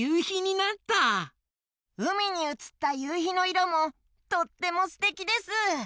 うみにうつったゆうひのいろもとってもすてきです！